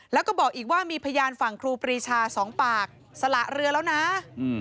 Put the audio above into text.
แล้วก็บอกอีกว่ามีพยานฝั่งครูปรีชาสองปากสละเรือแล้วนะ